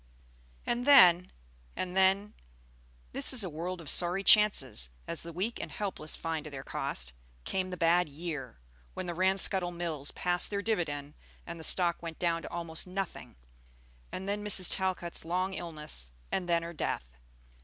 And then, and then, this is a world of sorry chances, as the weak and helpless find to their cost, came the bad year, when the Ranscuttle Mills passed their dividend and the stock went down to almost nothing; and then Mrs. Talcott's long illness, and then her death.